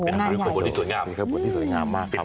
เป็นกระบวนที่สวยงามเป็นกระบวนที่สวยงามมากครับ